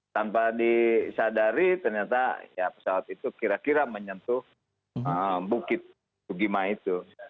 tanpa disadari ternyata pesawat itu kira kira menyentuh bukit sugima itu